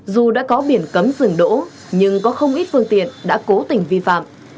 dù đã có biển cấm rừng đỗ nhưng có không ít phương tiện đã cố tình vi phạm